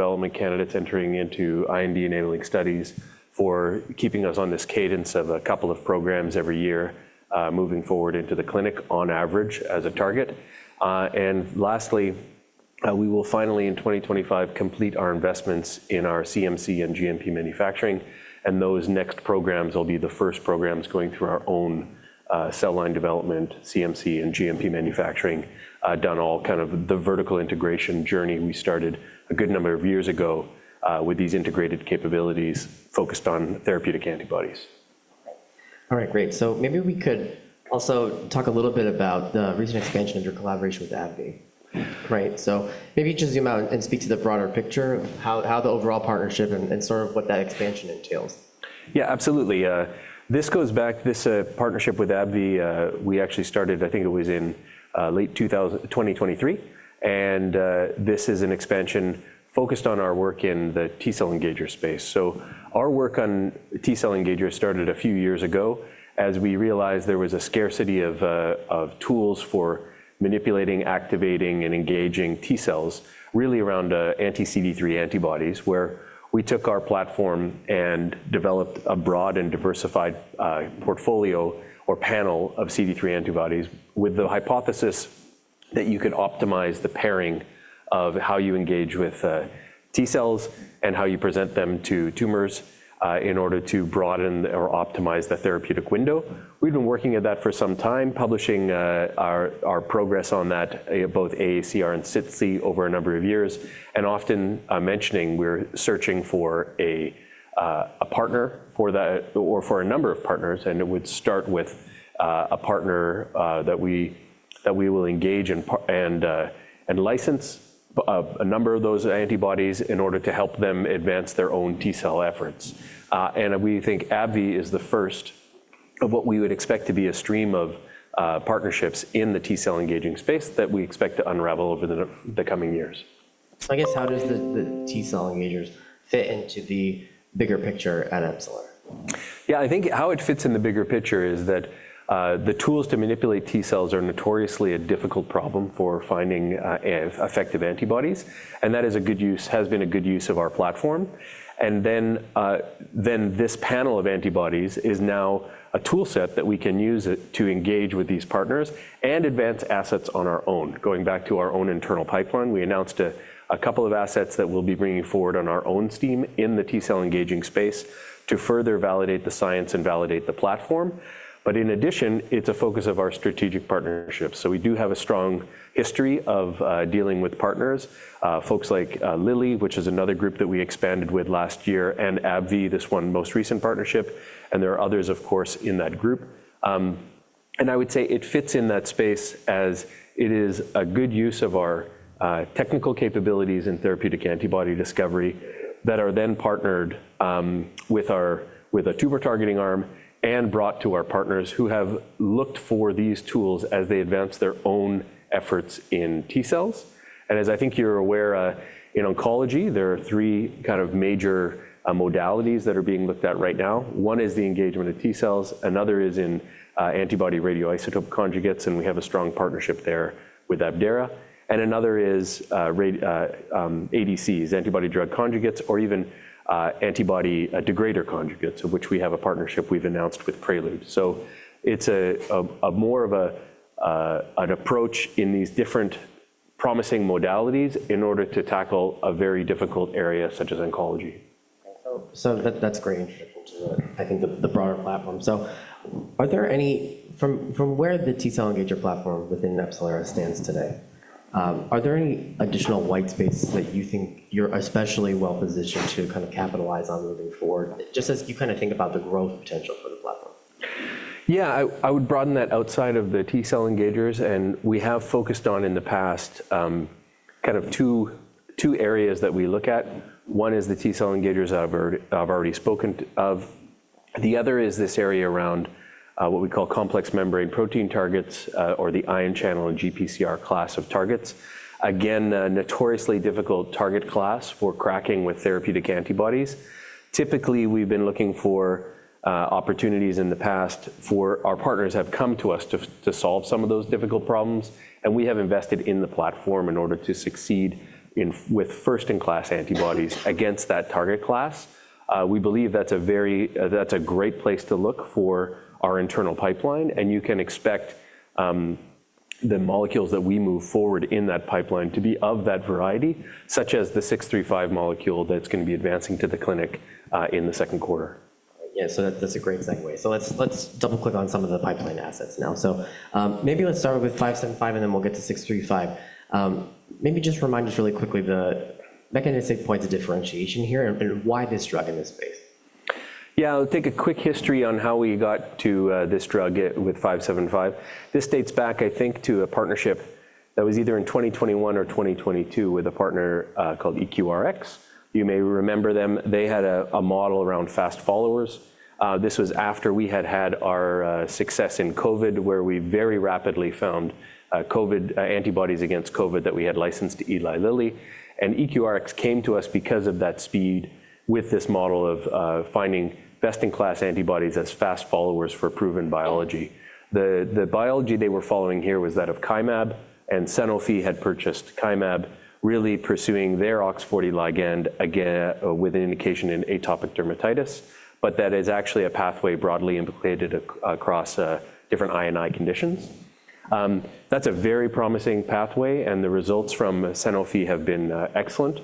Development candidates entering into IND-enabling studies for keeping us on this cadence of a couple of programs every year, moving forward into the clinic on average as a target. Lastly, we will finally in 2025 complete our investments in our CMC and GMP manufacturing. Those next programs will be the first programs going through our own cell line development, CMC and GMP manufacturing, done all kind of the vertical integration journey we started a good number of years ago with these integrated capabilities focused on therapeutic antibodies. All right, great. Maybe we could also talk a little bit about the recent expansion of your collaboration with AbbVie. Right? Maybe you just zoom out and speak to the broader picture of how the overall partnership and sort of what that expansion entails. Yeah, absolutely. This goes back, this partnership with AbbVie, we actually started, I think it was in late 2023. This is an expansion focused on our work in the T-cell engager space. Our work on T-cell engagers started a few years ago as we realized there was a scarcity of tools for manipulating, activating, and engaging T-cells really around anti-CD3 antibodies, where we took our platform and developed a broad and diversified portfolio or panel of CD3 antibodies with the hypothesis that you could optimize the pairing of how you engage with T-cells and how you present them to tumors in order to broaden or optimize the therapeutic window. We've been working at that for some time, publishing our progress on that, both AACR and SITC over a number of years, and often mentioning we're searching for a partner for that or for a number of partners. It would start with a partner that we will engage and license a number of those antibodies in order to help them advance their own T-cell efforts. We think AbbVie is the first of what we would expect to be a stream of partnerships in the T-cell engaging space that we expect to unravel over the coming years. I guess how does the T-cell engagers fit into the bigger picture at AbCellera? Yeah, I think how it fits in the bigger picture is that the tools to manipulate T-cells are notoriously a difficult problem for finding effective antibodies. That has been a good use of our platform. This panel of antibodies is now a toolset that we can use to engage with these partners and advance assets on our own. Going back to our own internal pipeline, we announced a couple of assets that we'll be bringing forward on our own steam in the T-cell engaging space to further validate the science and validate the platform. In addition, it's a focus of our strategic partnerships. We do have a strong history of dealing with partners, folks like Lilly, which is another group that we expanded with last year, and AbbVie, this one most recent partnership. There are others, of course, in that group. I would say it fits in that space as it is a good use of our technical capabilities in therapeutic antibody discovery that are then partnered with a tumor targeting arm and brought to our partners who have looked for these tools as they advance their own efforts in T-cells. As I think you're aware, in oncology, there are three kind of major modalities that are being looked at right now. One is the engagement of T-cells. Another is in antibody radioisotope conjugates. We have a strong partnership there with AbCellera. Another is ADCs, antibody drug conjugates, or even antibody degrader conjugates, of which we have a partnership we've announced with Prelude. It is more of an approach in these different promising modalities in order to tackle a very difficult area such as oncology. That's great. I think the broader platform. Are there any, from where the T-cell engager platform within AbCellera stands today, are there any additional white spaces that you think you're especially well positioned to kind of capitalize on moving forward, just as you kind of think about the growth potential for the platform? Yeah, I would broaden that outside of the T-cell engagers. We have focused on in the past kind of two areas that we look at. One is the T-cell engagers I've already spoken of. The other is this area around what we call complex membrane protein targets or the ion channel and GPCR class of targets. Again, a notoriously difficult target class for cracking with therapeutic antibodies. Typically, we've been looking for opportunities in the past for our partners have come to us to solve some of those difficult problems. We have invested in the platform in order to succeed with first-in-class antibodies against that target class. We believe that's a great place to look for our internal pipeline. You can expect the molecules that we move forward in that pipeline to be of that variety, such as the ABCL635 molecule that's going to be advancing to the clinic in the second quarter. Yeah, that is a great segue. Let's double-click on some of the pipeline assets now. Maybe let's start with ABCL575, and then we will get to ABCL635. Maybe just remind us really quickly the mechanistic points of differentiation here and why this drug in this space. Yeah, I'll take a quick history on how we got to this drug with ABCL575. This dates back, I think, to a partnership that was either in 2021 or 2022 with a partner called EQRx. You may remember them. They had a model around fast followers. This was after we had had our success in COVID, where we very rapidly found antibodies against COVID that we had licensed to Eli Lilly. And EQRx came to us because of that speed with this model of finding best-in-class antibodies as fast followers for proven biology. The biology they were following here was that of Kymab. And Sanofi had purchased Kymab, really pursuing their OX40 ligand with an indication in atopic dermatitis. That is actually a pathway broadly implicated across different I&I conditions. That's a very promising pathway. The results from Sanofi have been excellent.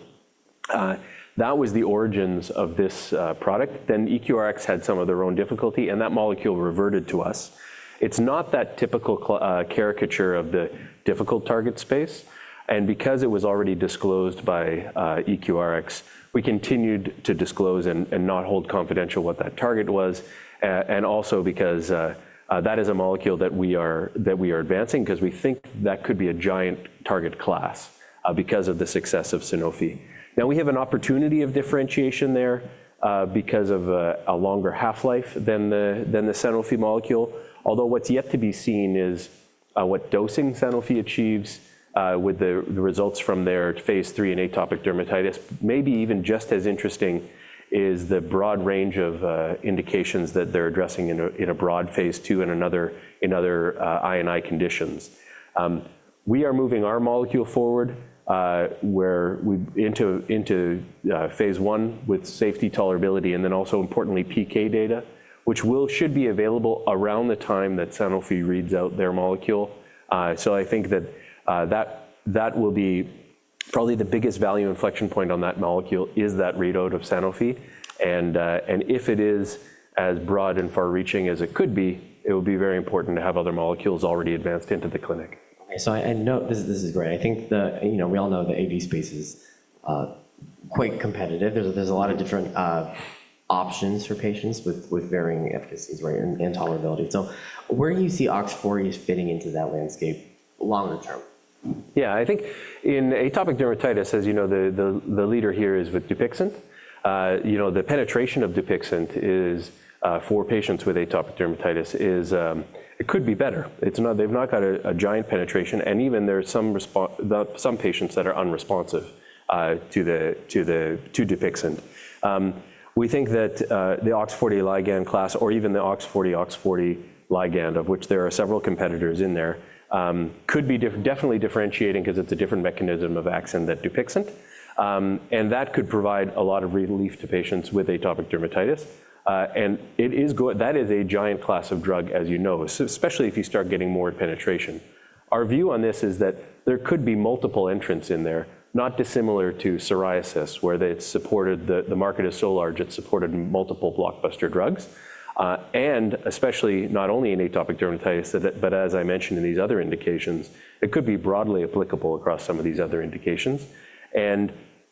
That was the origins of this product. EQRx had some of their own difficulty. That molecule reverted to us. It's not that typical caricature of the difficult target space. Because it was already disclosed by EQRx, we continued to disclose and not hold confidential what that target was. Also because that is a molecule that we are advancing, because we think that could be a giant target class because of the success of Sanofi. We have an opportunity of differentiation there because of a longer half-life than the Sanofi molecule. Although what's yet to be seen is what dosing Sanofi achieves with the results from their phase III in atopic dermatitis. Maybe even just as interesting is the broad range of indications that they're addressing in a broad phase II in other I&I conditions. We are moving our molecule forward into phase I with safety, tolerability, and then also, importantly, PK data, which should be available around the time that Sanofi reads out their molecule. I think that that will be probably the biggest value inflection point on that molecule, is that readout of Sanofi. If it is as broad and far-reaching as it could be, it will be very important to have other molecules already advanced into the clinic. I know this is great. I think we all know the AB space is quite competitive. There's a lot of different options for patients with varying efficacy and tolerability. Where do you see OX40 fitting into that landscape longer term? Yeah, I think in atopic dermatitis, as you know, the leader here is with Dupixent. The penetration of Dupixent for patients with atopic dermatitis could be better. They've not got a giant penetration. There are some patients that are unresponsive to Dupixent. We think that the OX40 ligand class or even the OX40, OX40 ligand, of which there are several competitors in there, could be definitely differentiating because it's a different mechanism of action than Dupixent. That could provide a lot of relief to patients with atopic dermatitis. That is a giant class of drug, as you know, especially if you start getting more penetration. Our view on this is that there could be multiple entrants in there, not dissimilar to psoriasis, where the market is so large it's supported multiple blockbuster drugs. Especially not only in atopic dermatitis, but as I mentioned in these other indications, it could be broadly applicable across some of these other indications.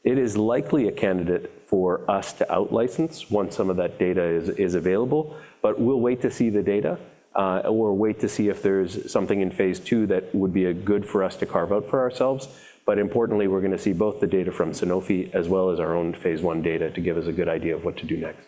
It is likely a candidate for us to out-license once some of that data is available. We will wait to see the data or wait to see if there is something in phase II that would be good for us to carve out for ourselves. Importantly, we are going to see both the data from Sanofi as well as our own phase I data to give us a good idea of what to do next.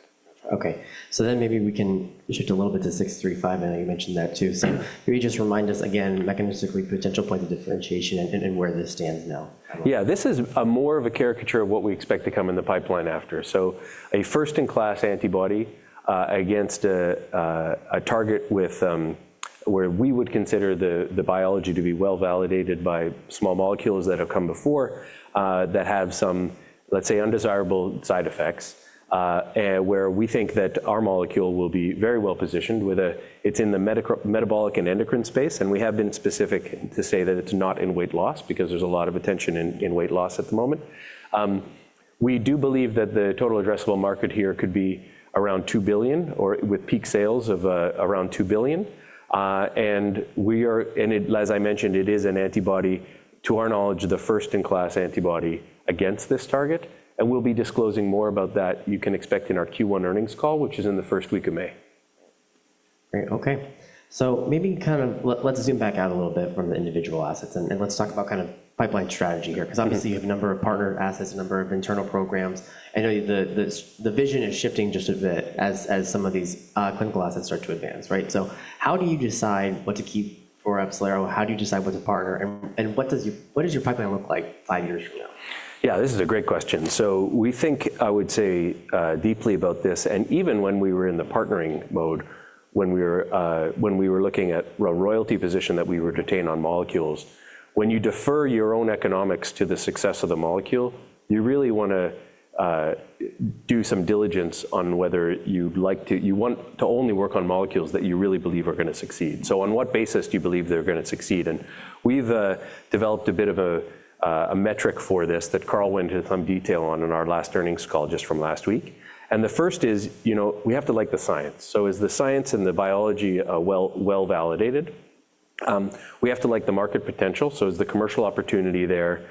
Okay. So then maybe we can shift a little bit to ABCL635. I know you mentioned that too. So maybe just remind us again, mechanistically, potential point of differentiation and where this stands now. Yeah, this is more of a caricature of what we expect to come in the pipeline after. A first-in-class antibody against a target where we would consider the biology to be well validated by small molecules that have come before that have some, let's say, undesirable side effects, where we think that our molecule will be very well positioned with its in the metabolic and endocrine space. We have been specific to say that it is not in weight loss because there is a lot of attention in weight loss at the moment. We do believe that the total addressable market here could be around $2 billion or with peak sales of around $2 billion. As I mentioned, it is an antibody, to our knowledge, the first-in-class antibody against this target. We will be disclosing more about that. You can expect in our Q1 earnings call, which is in the first week of May. Great. Okay. Maybe kind of let's zoom back out a little bit from the individual assets. Let's talk about kind of pipeline strategy here, because obviously you have a number of partner assets, a number of internal programs. I know the vision is shifting just a bit as some of these clinical assets start to advance. Right? How do you decide what to keep for AbCellera? How do you decide what to partner? What does your pipeline look like five years from now? Yeah, this is a great question. We think, I would say, deeply about this. Even when we were in the partnering mode, when we were looking at a royalty position that we were to obtain on molecules, when you defer your own economics to the success of the molecule, you really want to do some diligence on whether you want to only work on molecules that you really believe are going to succeed. On what basis do you believe they're going to succeed? We've developed a bit of a metric for this that Carl went into some detail on in our last earnings call just from last week. The first is we have to like the science. Is the science and the biology well validated? We have to like the market potential. Is the commercial opportunity there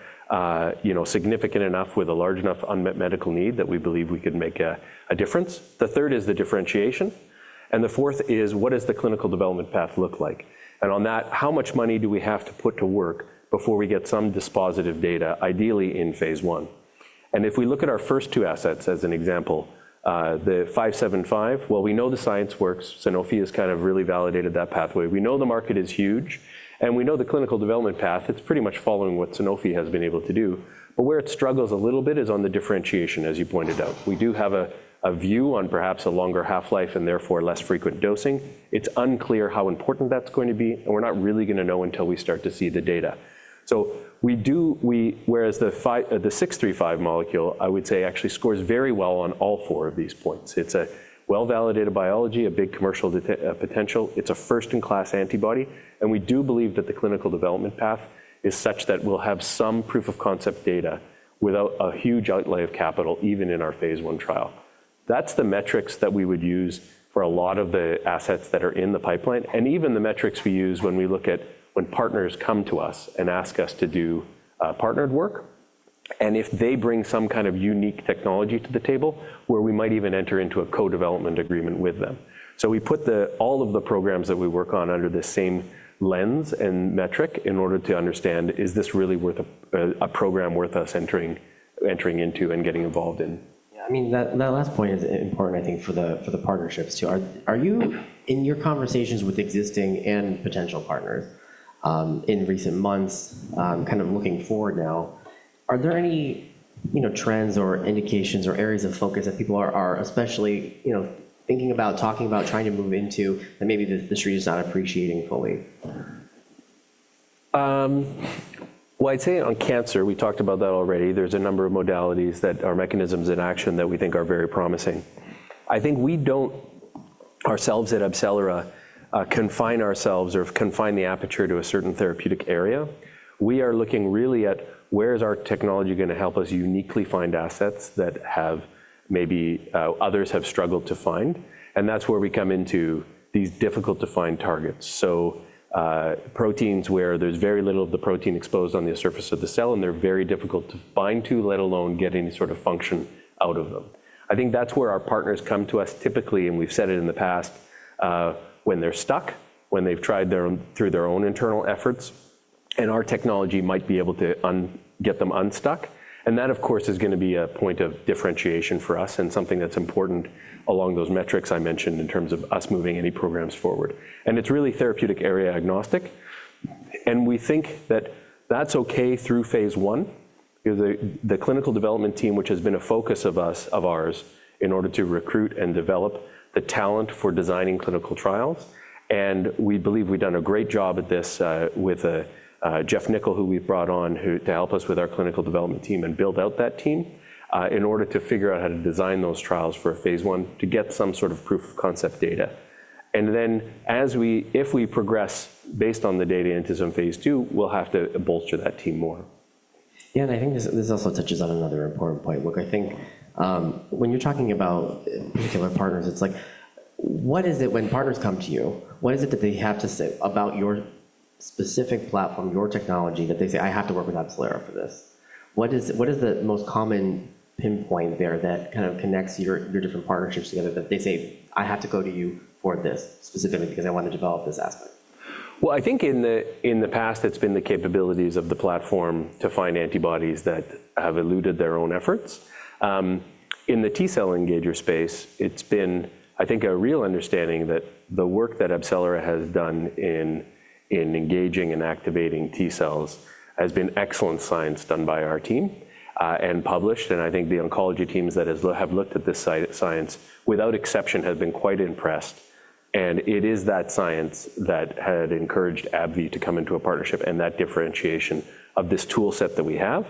significant enough with a large enough unmet medical need that we believe we could make a difference? The third is the differentiation. The fourth is what does the clinical development path look like? On that, how much money do we have to put to work before we get some dispositive data, ideally in phase I? If we look at our first two assets as an example, the ABCL575, we know the science works. Sanofi has kind of really validated that pathway. We know the market is huge. We know the clinical development path. It's pretty much following what Sanofi has been able to do. Where it struggles a little bit is on the differentiation, as you pointed out. We do have a view on perhaps a longer half-life and therefore less frequent dosing. It's unclear how important that's going to be. We're not really going to know until we start to see the data. Whereas the ABCL635 molecule, I would say, actually scores very well on all four of these points. It's a well-validated biology, a big commercial potential. It's a first-in-class antibody. We do believe that the clinical development path is such that we'll have some proof of concept data without a huge outlay of capital, even in our phase I trial. That's the metrics that we would use for a lot of the assets that are in the pipeline and even the metrics we use when we look at when partners come to us and ask us to do partnered work and if they bring some kind of unique technology to the table where we might even enter into a co-development agreement with them. We put all of the programs that we work on under the same lens and metric in order to understand, is this really a program worth us entering into and getting involved in? Yeah, I mean, that last point is important, I think, for the partnerships too. In your conversations with existing and potential partners in recent months, kind of looking forward now, are there any trends or indications or areas of focus that people are especially thinking about, talking about, trying to move into that maybe the industry is not appreciating fully? I'd say on cancer, we talked about that already. There's a number of modalities, our mechanisms in action, that we think are very promising. I think we don't, ourselves at AbCellera, confine ourselves or confine the aperture to a certain therapeutic area. We are looking really at where is our technology going to help us uniquely find assets that maybe others have struggled to find. That's where we come into these difficult-to-find targets. Proteins where there's very little of the protein exposed on the surface of the cell, and they're very difficult to find too, let alone get any sort of function out of them. I think that's where our partners come to us typically. We've said it in the past, when they're stuck, when they've tried through their own internal efforts, and our technology might be able to get them unstuck. That, of course, is going to be a point of differentiation for us and something that's important along those metrics I mentioned in terms of us moving any programs forward. It's really therapeutic area agnostic. We think that that's okay through phase I. The clinical development team, which has been a focus of ours in order to recruit and develop the talent for designing clinical trials. We believe we've done a great job at this with Jeff Nickel, who we've brought on to help us with our clinical development team and build out that team in order to figure out how to design those trials for phase I to get some sort of proof of concept data. If we progress based on the data into some phase II, we'll have to bolster that team more. Yeah, and I think this also touches on another important point. Look, I think when you're talking about particular partners, it's like, what is it when partners come to you? What is it that they have to say about your specific platform, your technology, that they say, I have to work with AbCellera for this? What is the most common pinpoint there that kind of connects your different partnerships together that they say, I have to go to you for this specifically because I want to develop this aspect? I think in the past, it's been the capabilities of the platform to find antibodies that have eluded their own efforts. In the T-cell engager space, it's been, I think, a real understanding that the work that AbCellera has done in engaging and activating T-cells has been excellent science done by our team and published. I think the oncology teams that have looked at this science without exception have been quite impressed. It is that science that had encouraged AbbVie to come into a partnership and that differentiation of this toolset that we have.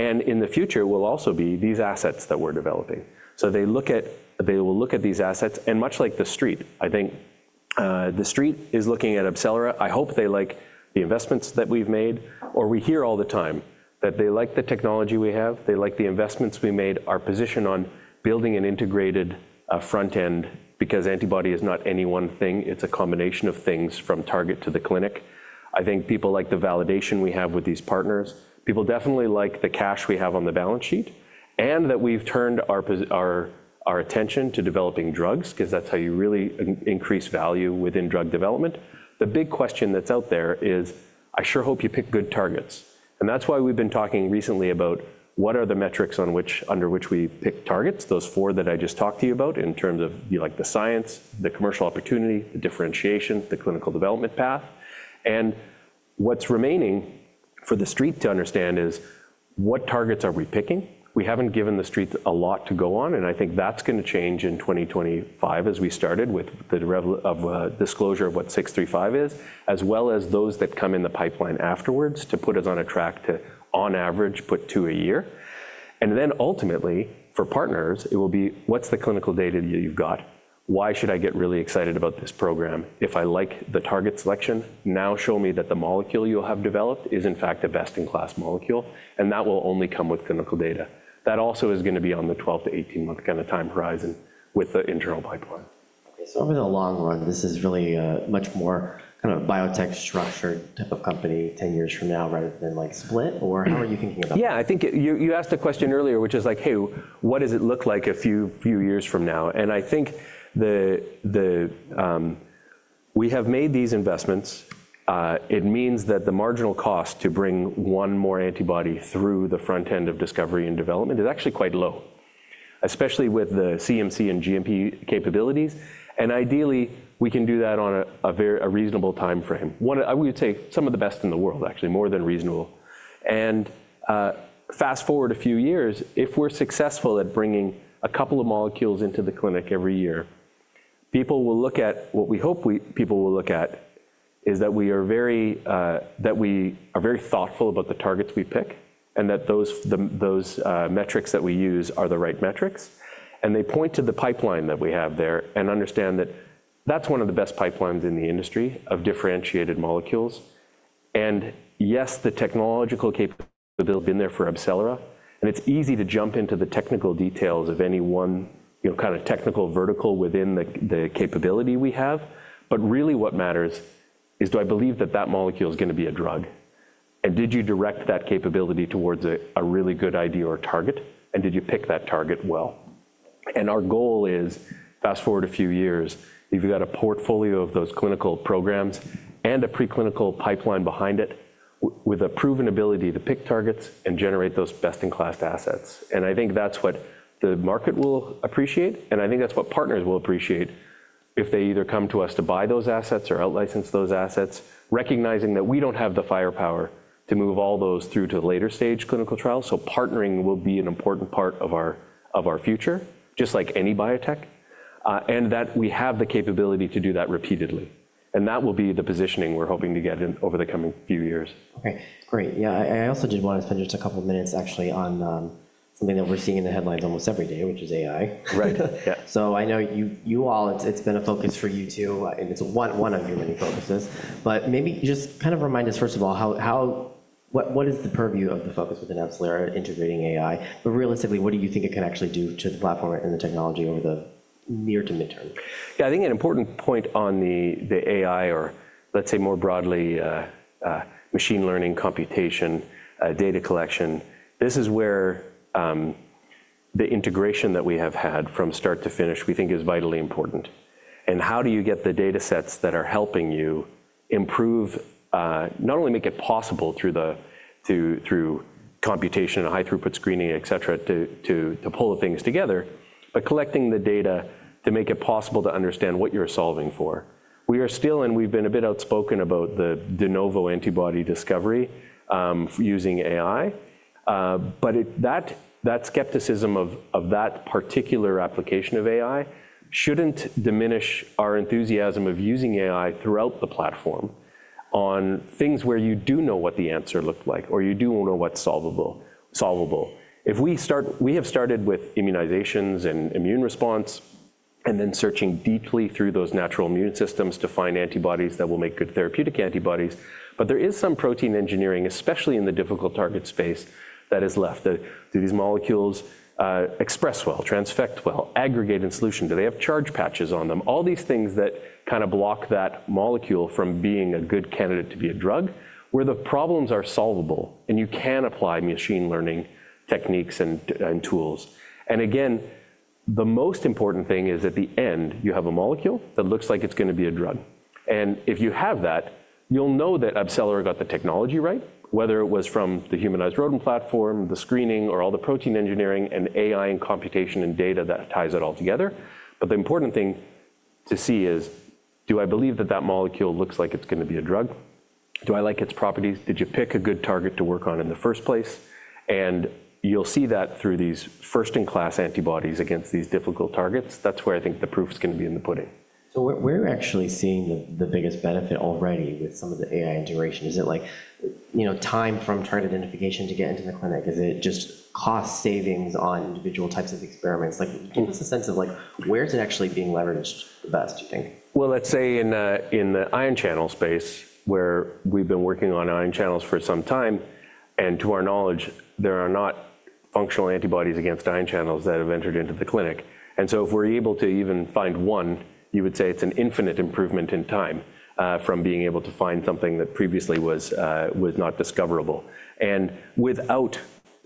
In the future, it will also be these assets that we're developing. They will look at these assets. Much like The Street, I think The Street is looking at AbCellera. I hope they like the investments that we've made. We hear all the time that they like the technology we have. They like the investments we made, our position on building an integrated front end, because antibody is not any one thing. It's a combination of things from target to the clinic. I think people like the validation we have with these partners. People definitely like the cash we have on the balance sheet and that we've turned our attention to developing drugs, because that's how you really increase value within drug development. The big question that's out there is, I sure hope you pick good targets. That's why we've been talking recently about what are the metrics under which we pick targets, those four that I just talked to you about in terms of the science, the commercial opportunity, the differentiation, the clinical development path. What's remaining for The Street to understand is what targets are we picking? We haven't given The Street a lot to go on. I think that's going to change in 2025 as we started with the disclosure of what ABCL635 is, as well as those that come in the pipeline afterwards to put us on a track to, on average, put two a year. Ultimately, for partners, it will be, what's the clinical data you've got? Why should I get really excited about this program if I like the target selection? Now show me that the molecule you'll have developed is, in fact, a best-in-class molecule. That will only come with clinical data. That also is going to be on the 12-18 month kind of time horizon with the internal pipeline. Over the long run, this is really much more kind of biotech-structured type of company 10 years from now rather than split? Or how are you thinking about that? Yeah, I think you asked a question earlier, which is like, hey, what does it look like a few years from now? I think we have made these investments. It means that the marginal cost to bring one more antibody through the front end of discovery and development is actually quite low, especially with the CMC and GMP capabilities. Ideally, we can do that on a reasonable time frame. I would say some of the best in the world, actually, more than reasonable. Fast forward a few years, if we're successful at bringing a couple of molecules into the clinic every year, people will look at what we hope people will look at is that we are very thoughtful about the targets we pick and that those metrics that we use are the right metrics. They point to the pipeline that we have there and understand that that's one of the best pipelines in the industry of differentiated molecules. Yes, the technological capability has been there for AbCellera. It's easy to jump into the technical details of any one kind of technical vertical within the capability we have. Really what matters is, do I believe that that molecule is going to be a drug? Did you direct that capability towards a really good idea or target? Did you pick that target well? Our goal is, fast forward a few years, you've got a portfolio of those clinical programs and a preclinical pipeline behind it with a proven ability to pick targets and generate those best-in-class assets. I think that's what the market will appreciate. I think that's what partners will appreciate if they either come to us to buy those assets or out-license those assets, recognizing that we don't have the firepower to move all those through to later-stage clinical trials. Partnering will be an important part of our future, just like any biotech, and that we have the capability to do that repeatedly. That will be the positioning we're hoping to get in over the coming few years. Okay, great. Yeah, I also did want to spend just a couple of minutes, actually, on something that we're seeing in the headlines almost every day, which is AI. Right. Yeah. I know you all, it's been a focus for you too. And it's one of your many focuses. Maybe just kind of remind us, first of all, what is the purview of the focus within AbCellera integrating AI? But realistically, what do you think it can actually do to the platform and the technology over the near to midterm? Yeah, I think an important point on the AI, or let's say more broadly, machine learning, computation, data collection, this is where the integration that we have had from start to finish we think is vitally important. How do you get the data sets that are helping you improve not only make it possible through computation and high-throughput screening, et cetera, to pull things together, but collecting the data to make it possible to understand what you're solving for? We are still, and we've been a bit outspoken about the de novo antibody discovery using AI. That skepticism of that particular application of AI shouldn't diminish our enthusiasm of using AI throughout the platform on things where you do know what the answer looked like or you do know what's solvable. If we have started with immunizations and immune response and then searching deeply through those natural immune systems to find antibodies that will make good therapeutic antibodies, there is some protein engineering, especially in the difficult target space, that is left. Do these molecules express well, transfect well, aggregate in solution? Do they have charge patches on them? All these things that kind of block that molecule from being a good candidate to be a drug where the problems are solvable and you can apply machine learning techniques and tools. The most important thing is at the end, you have a molecule that looks like it's going to be a drug. If you have that, you'll know that AbCellera got the technology right, whether it was from the humanized rodent platform, the screening, or all the protein engineering and AI and computation and data that ties it all together. The important thing to see is, do I believe that that molecule looks like it's going to be a drug? Do I like its properties? Did you pick a good target to work on in the first place? You'll see that through these first-in-class antibodies against these difficult targets. That's where I think the proof is going to be in the pudding. We're actually seeing the biggest benefit already with some of the AI integration. Is it time from target identification to get into the clinic? Is it just cost savings on individual types of experiments? Give us a sense of where is it actually being leveraged the best, do you think? In the ion channel space, where we've been working on ion channels for some time, and to our knowledge, there are not functional antibodies against ion channels that have entered into the clinic. If we're able to even find one, you would say it's an infinite improvement in time from being able to find something that previously was not discoverable. Without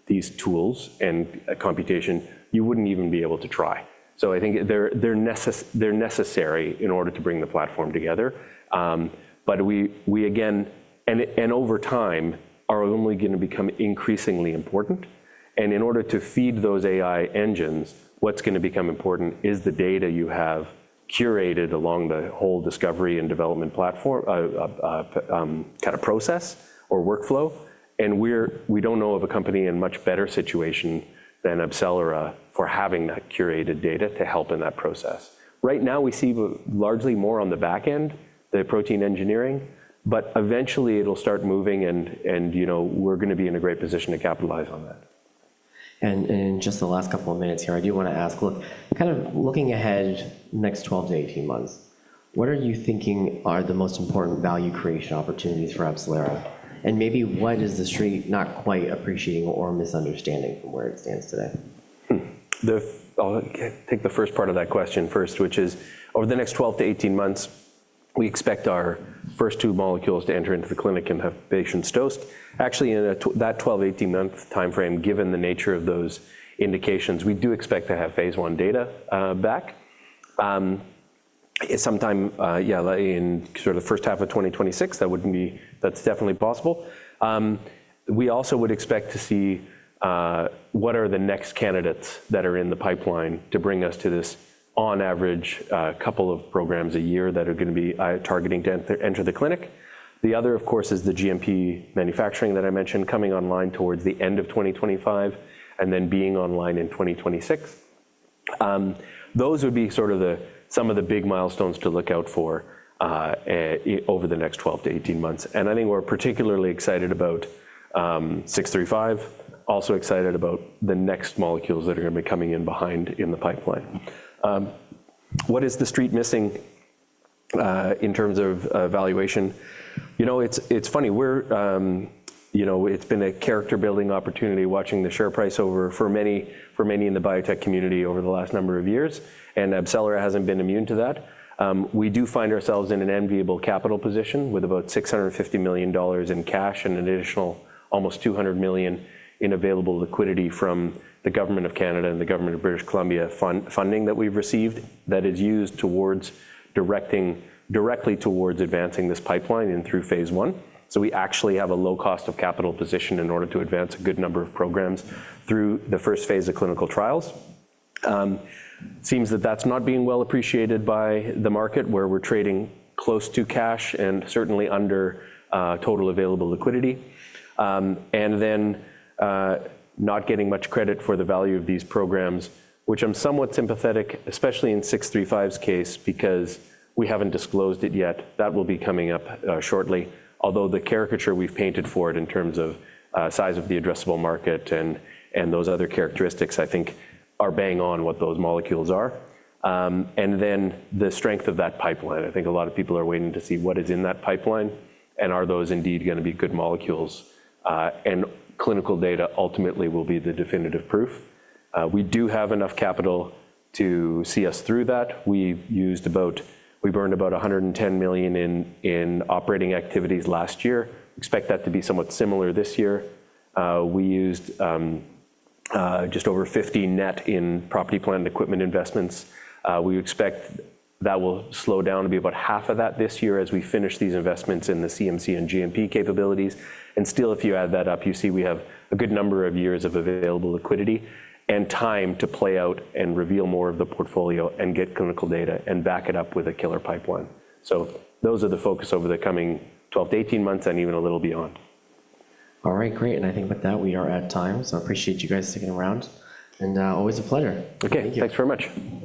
these tools and computation, you wouldn't even be able to try. I think they're necessary in order to bring the platform together. We, again, and over time, are only going to become increasingly important. In order to feed those AI engines, what's going to become important is the data you have curated along the whole discovery and development kind of process or workflow. We do not know of a company in a much better situation than AbCellera for having that curated data to help in that process. Right now, we see largely more on the back end, the protein engineering. Eventually, it will start moving, and we are going to be in a great position to capitalize on that. In just the last couple of minutes here, I do want to ask, look, kind of looking ahead next 12 to 18 months, what are you thinking are the most important value creation opportunities for AbCellera? Maybe what is The Street not quite appreciating or misunderstanding from where it stands today? I'll take the first part of that question first, which is over the next 12-18 months, we expect our first two molecules to enter into the clinic and have patients dosed. Actually, in that 12 to 18-month time frame, given the nature of those indications, we do expect to have phase I data back. Sometime, yeah, in sort of the first half of 2026, that's definitely possible. We also would expect to see what are the next candidates that are in the pipeline to bring us to this, on average, couple of programs a year that are going to be targeting to enter the clinic. The other, of course, is the GMP manufacturing that I mentioned coming online towards the end of 2025 and then being online in 2026. Those would be sort of some of the big milestones to look out for over the next 12-18 months. I think we're particularly excited about ABCL635, also excited about the next molecules that are going to be coming in behind in the pipeline. What is The Street missing in terms of valuation? It's funny. It's been a character-building opportunity watching the share price for many in the biotech community over the last number of years. AbCellera hasn't been immune to that. We do find ourselves in an enviable capital position with about $650 million in cash and an additional almost $200 million in available liquidity from the government of Canada and the government of British Columbia funding that we've received that is used directly towards advancing this pipeline and through phase I. We actually have a low cost of capital position in order to advance a good number of programs through the first phase of clinical trials. It seems that that's not being well appreciated by the market, where we're trading close to cash and certainly under total available liquidity, and not getting much credit for the value of these programs, which I'm somewhat sympathetic, especially in ABCL635's case, because we haven't disclosed it yet. That will be coming up shortly. Although the caricature we've painted for it in terms of size of the addressable market and those other characteristics, I think, are bang on what those molecules are. The strength of that pipeline, I think a lot of people are waiting to see what is in that pipeline, and are those indeed going to be good molecules? Clinical data ultimately will be the definitive proof. We do have enough capital to see us through that. We burned about $110 million in operating activities last year. Expect that to be somewhat similar this year. We used just over $50 million net in property, plant, and equipment investments. We expect that will slow down to be about half of that this year as we finish these investments in the CMC and GMP capabilities. If you add that up, you see we have a good number of years of available liquidity and time to play out and reveal more of the portfolio and get clinical data and back it up with a killer pipeline. Those are the focus over the coming 12-18 months and even a little beyond. All right, great. I think with that, we are at time. I appreciate you guys sticking around. Always a pleasure. Okay, thanks very much.